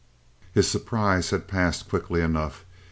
His surprise had passed quickly enough.